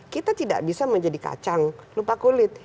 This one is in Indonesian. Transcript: kita tidak bisa menjadi kacang lupa kulit